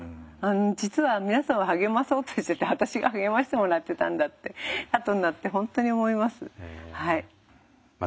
実は皆さんを励まそうとしてて私が励ましてもらってたんだってあとになって本当に思います。